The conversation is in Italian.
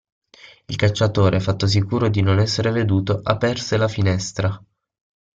Il cacciatore, fatto sicuro di non essere veduto, aperse la finestra.